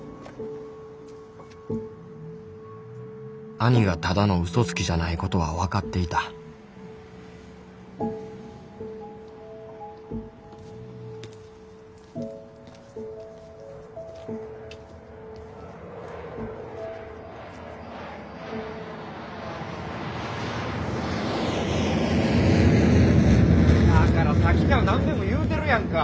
兄がただのうそつきじゃないことは分かっていただからさっきから何べんも言うてるやんか。